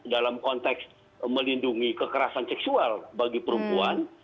dalam konteks melindungi kekerasan seksual bagi perempuan